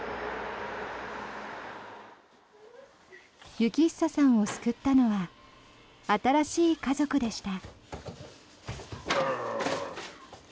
幸久さんを救ったのは新しい家族でした。